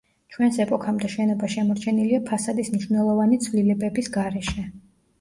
ჩვენს ეპოქამდე შენობა შემორჩენილია ფასადის მნიშვნელოვანი ცვლილებების გარეშე.